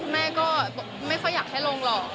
แม่ก็ไม่ค่อยอยากให้ลงหรอก